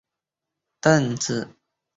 他也代表波黑国家足球队参赛。